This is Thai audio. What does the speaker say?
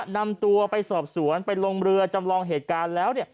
นำตัวไปสอบสวนไปลงเรือจำลองเหตุการณ์แล้ว